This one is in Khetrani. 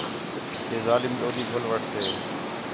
کہ ظالم ݙولی گھل وٹھسے